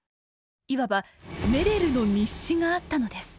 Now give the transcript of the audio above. いわば「メレルの日誌」があったのです。